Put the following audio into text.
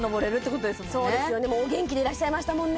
そうですよねお元気でいらっしゃいましたもんね